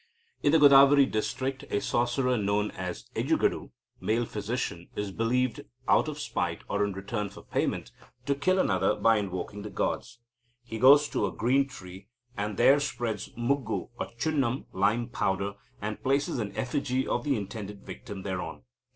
In the Godavari district, a sorcerer known as the Ejjugadu (male physician) is believed, out of spite or in return for payment, to kill another by invoking the gods. He goes to a green tree, and there spreads muggu or chunam (lime) powder, and places an effigy of the intended victim thereon.